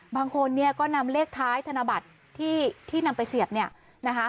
บางคนเนี่ยก็นำเลขท้ายธนบัตรที่นำไปเสียบเนี่ยนะคะ